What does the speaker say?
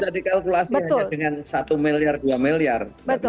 tidak dikalkulasi hanya dengan satu miliar dua miliar